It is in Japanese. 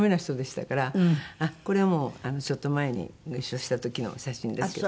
あっこれはもうちょっと前にご一緒した時の写真ですけど。